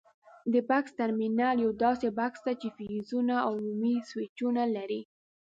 د بکس ترمینل یوه داسې بکس ده چې فیوزونه او عمومي سویچونه لري.